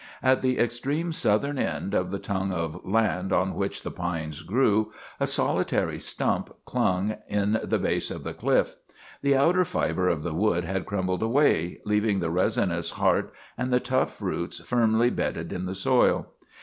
At the extreme southern end of the tongue of land on which the pines grew, a solitary stump clung in the base of the cliff. The outer fiber of the wood had crumbled away, leaving the resinous heart and the tough roots firmly bedded in the soil.